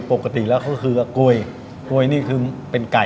ปกติแล้วก็คือกล้วยกล้วยนี่คือเป็นไก่